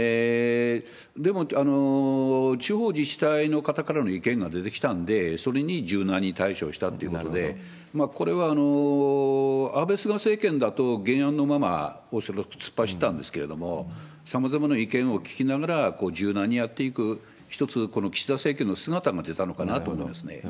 でも、地方自治体の方からの意見が出てきたんで、それに柔軟に対処したということで、これは安倍、菅政権だと原案のままそれをそのまま突っ走ったんですけれども、さまざまな意見を聞きながら、柔軟にやっていく、一つこの岸田政そういうことですね。